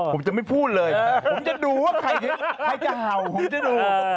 ผมจะไม่พูดเลยผมจะดูว่าใครจะเห่าผมจะดู